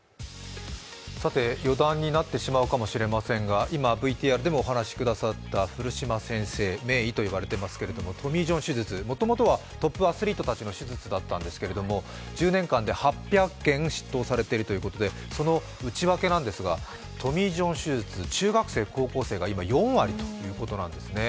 余談になってしまうかもしれませんが、古島先生、名医と呼ばれていますけれどもトミー・ジョン手術、もともとはトップアスリートたちの手術だったんですけど１０年間で８００件、失刀されているということですがその内訳なんですがトミー・ジョン手術、中学生高校生が４割ということなんですね。